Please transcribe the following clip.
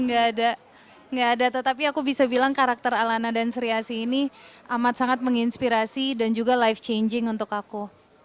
gak ada gak ada tetapi aku bisa bilang karakter alana dan sri asih ini amat sangat menginspirasi dan juga life changing untuk aku